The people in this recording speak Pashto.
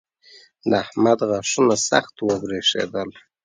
د احمد غاښونه سخت وبرېښېدل.